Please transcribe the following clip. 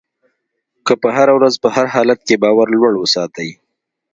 که په هره ورځ په هر حالت کې باور لوړ وساتئ.